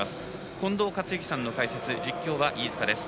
近藤克之さんの解説実況は飯塚です。